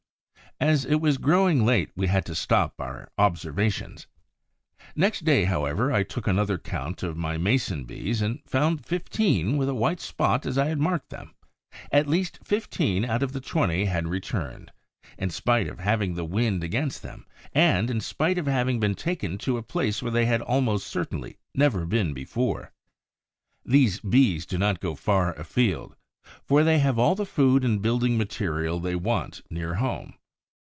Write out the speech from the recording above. As it was growing late, we had to stop our observations. Next day, however, I took another count of my Mason bees and found fifteen with a white spot as I had marked them. At least fifteen out of the twenty then had returned, in spite of having the wind against them, and in spite of having been taken to a place where they had almost certainly never been before. These Bees do not go far afield, for they have all the food and building material they want near home.